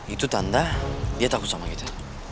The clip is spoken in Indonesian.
itu tanda dia takut sama kita